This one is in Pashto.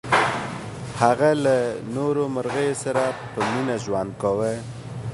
هغه له نورو مرغیو سره په مینه ژوند کاوه.